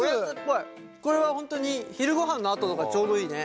これは本当に昼ごはんのあととかちょうどいいね。